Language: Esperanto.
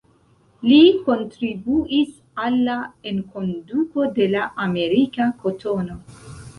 Li kontribuis al la enkonduko de la amerika kotono.